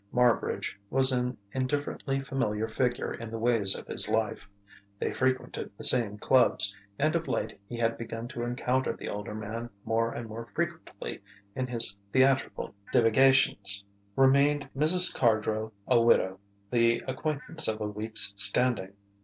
Marbridge was an indifferently familiar figure in the ways of his life; they frequented the same clubs, and of late he had begun to encounter the older man more and more frequently in his theatrical divagations. Remained Mrs. Cardrow, a widow, the acquaintance of a week's standing.